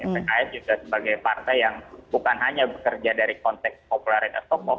pks juga sebagai partai yang bukan hanya bekerja dari konteks popularitas tokoh